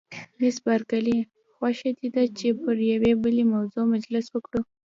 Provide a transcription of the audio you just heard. مس بارکلي: خوښه دې ده چې پر یوې بلې موضوع مجلس وکړو؟